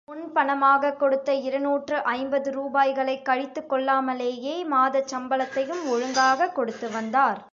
முன் பணமாகக் கொடுத்த இருநூற்று ஐம்பது ரூபாய்களைக் கழித்துக் கொள்ளாமலேயே மாதச் சம்பளத்தையும் ஒழுங்காகக் கொடுத்து வந்தார்.